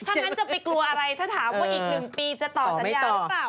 ถ้างั้นจะไปกลัวอะไรถ้าถามว่าอีก๑ปีจะต่อสัญญาหรือเปล่า